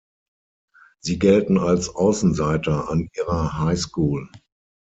Sie gelten als Außenseiter an ihrer High School.